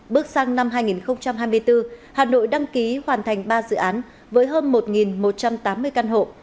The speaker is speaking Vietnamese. bước sang năm hai nghìn hai mươi bốn hà nội đăng ký hoàn thành ba dự án với hơn một một trăm tám mươi căn hộ